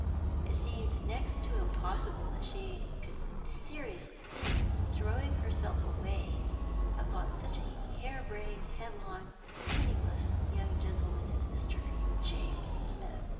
It seemed next to impossible that she could seriously think of throwing herself away upon such a hare brained, headlong, penniless young gentleman as Mr. James Smith.